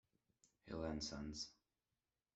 Hill and Sons.